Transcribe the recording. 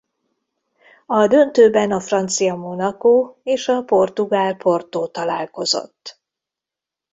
A döntőben a francia Monaco és a portugál Porto találkozott.